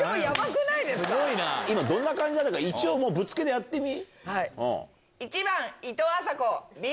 どんな感じか一応ぶっつけでやってみ。